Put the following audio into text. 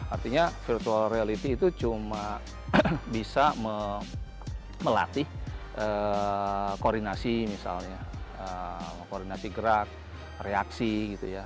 artinya virtual reality itu cuma bisa melatih koordinasi misalnya koordinasi gerak reaksi gitu ya